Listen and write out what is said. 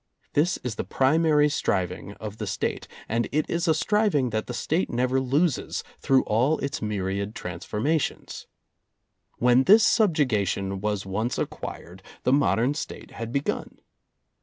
This is the primary striving of the State, and it is a striving that the State never loses, through all its myriad transformations. When this subjugation was once acquired, the modern State had begun.